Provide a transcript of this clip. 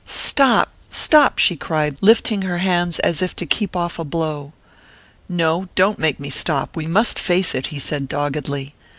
"Stop stop!" she cried, lifting her hands as if to keep off a blow. "No don't make me stop. We must face it," he said doggedly.